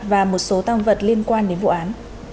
và một số tăng vật liên quan đến vụ án